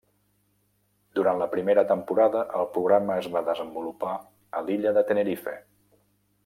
Durant la primera temporada, el programa es va desenvolupar a l'illa de Tenerife.